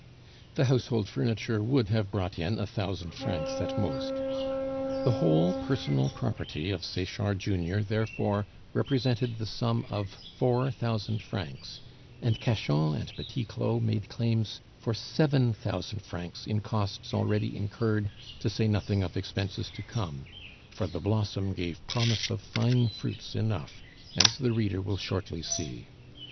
The household furniture would have brought in a thousand francs at most. The whole personal property of Sechard junior therefore represented the sum of four thousand francs; and Cachan and Petit Claud made claims for seven thousand francs in costs already incurred, to say nothing of expenses to come, for the blossom gave promise of fine fruits enough, as the reader will shortly see.